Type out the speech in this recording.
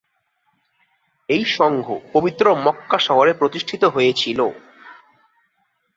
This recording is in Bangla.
এই সংঘ পবিত্র মক্কা শহরে প্রতিষ্ঠিত হয়েছিল।